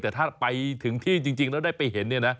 แต่ถ้าไปถึงที่จริงแล้วได้ไปเห็น